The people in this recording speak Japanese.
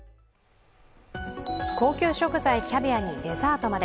高級食材キャビアにデザートまで。